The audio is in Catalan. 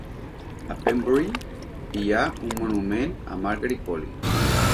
A Pembury hi ha un monument a Margery Polly.